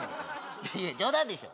いやいや冗談でしょ